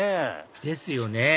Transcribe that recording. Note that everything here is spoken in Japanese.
ですよね